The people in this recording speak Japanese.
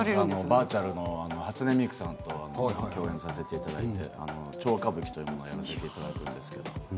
バーチャルの初音ミクさんと共演させていただいて「超歌舞伎」というものをやります。